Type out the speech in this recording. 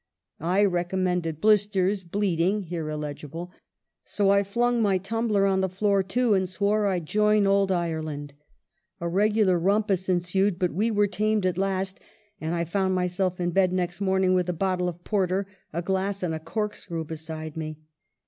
I recommended blisters, bleeding [here illegible], so I flung my tumbler on the floor, too, and swore I'd join old Ireland. A regular rumpus ensued, but we were tamed at last, and I found myself in bed next morning, with a bottle of porter, a glass, and corkscrew beside me.